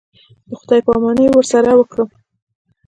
د خداى پاماني ورسره وكړم.